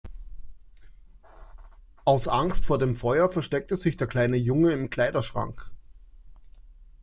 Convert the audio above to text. Aus Angst vor dem Feuer versteckte sich der kleine Junge im Kleiderschrank.